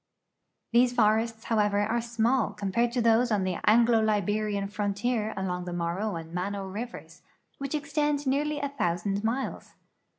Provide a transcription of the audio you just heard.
These forests, however, are small compared to those on the Anglo Liberian frontier along the Morro and Mano rivers, which extend nearly a thousand miles.